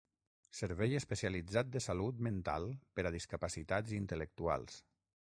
Servei especialitzat de salut mental per a discapacitats intel·lectuals.